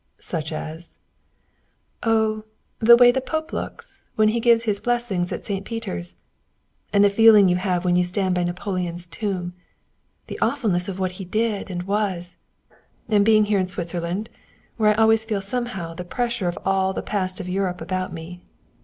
"Such as ?" "Oh the way the Pope looks when he gives his blessing at St. Peter's; and the feeling you have when you stand by Napoleon's tomb the awfulness of what he did and was and being here in Switzerland, where I always feel somehow the pressure of all the past of Europe about me.